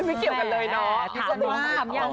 ไม่เกี่ยวกันเลยเนาะ